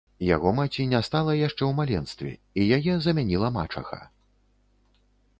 Яго маці не стала яшчэ ў маленстве, і яе замяніла мачаха.